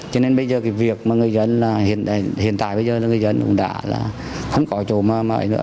cho nên bây giờ cái việc mà người dân hiện tại bây giờ là người dân cũng đã là không có chỗ mở mở nữa